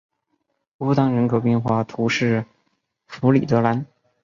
乌当人口变化图示弗里德兰